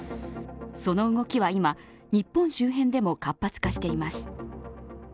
その動きは今日本周辺でも活発化しています。